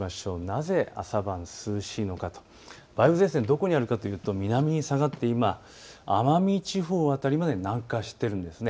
なぜ朝晩涼しいのかと、梅雨前線どこにあるかというと南に下がって今、奄美地方辺りまで南下しているんです。